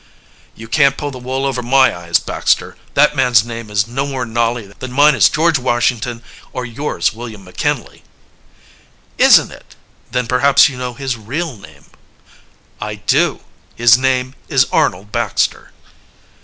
"You can't pull the wool over my eyes, Baxter. That man's name is no more Nolly than mine is George Washington or yours William McKinley." "Isn't it? Then perhaps you know his real name." "I do. His name is Arnold Baxter."